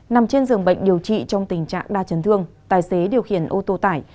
nằm trên giường bệnh điều trị trong tình trạng đa chấn thương tài xế điều khiển ô tô tải